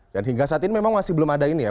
dan hingga saat ini memang masih belum ada ini ya